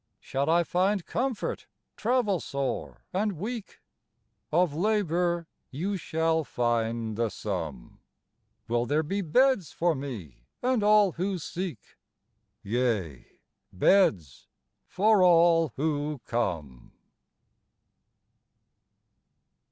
Shall I find comfort, travel sore and weak? Of labor you shall find the sum. Will there be beds for me and all who seek? Yea, beds for all who come.